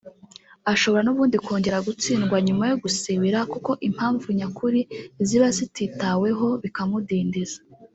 ashobora nubundi kongera gutsindwa nyuma yo gusibira kuko impamvu nyakuri ziba zititaweho bikamudindiza